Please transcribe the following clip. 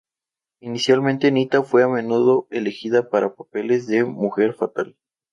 Inicialmente, Nita fue a menudo elegida para papeles de mujer fatal.